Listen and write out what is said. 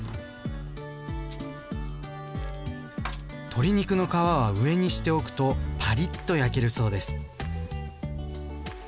鶏肉の皮は上にしておくとパリッと焼けるそうです。